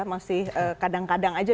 masih kadang kadang aja